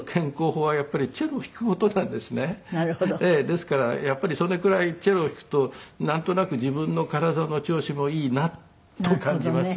ですからやっぱりそれくらいチェロを弾くとなんとなく自分の体の調子もいいなと感じます。